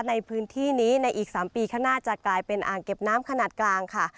ในพื้นที่นี้ในอีก๓ปีข้างหน้าจะกลายเป็นอ่างเก็บน้ำขนาดกลางค่ะ